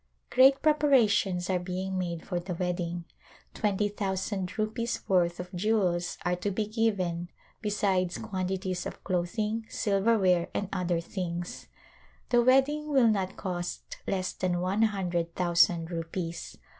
Great preparations are being made for the wedding. Twenty thousand rupees' worth of jewels are to be given besides quantities of clothing, silverware and other things. The wedding will not cost less than one hundred thousand rupees.